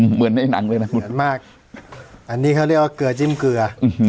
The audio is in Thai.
เหมือนในหนังเลยนะเหมือนมากอันนี้เขาเรียกว่าเกลือจิ้มเกลือ